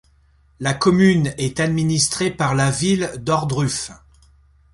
La commune est administrée par la ville d'Ohrdruf.